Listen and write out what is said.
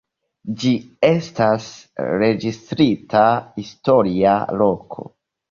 Ĝi estas registrita historia loko.